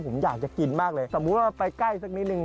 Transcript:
ผมอยากจะกินมากเลยสมมุติว่าไปใกล้สักนิดนึง